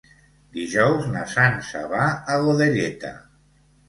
Dijous na Sança va a Godelleta.